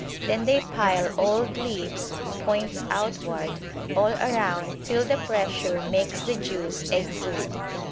Then they pile old leaves, points outward, all round till the pressure makes the juice exude.